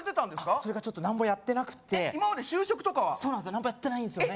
それがちょっと何もやってなくて今まで就職とかは？何もやってないんすよね